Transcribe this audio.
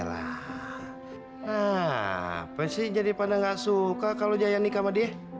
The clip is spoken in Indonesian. nah apa sih jadi pada gak suka kalo jaya nikah sama dia